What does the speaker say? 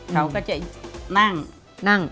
เขาก็จะนั่ง